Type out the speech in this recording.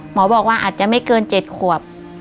หมอบอกว่าอาจจะไม่เกิน๗ขวบ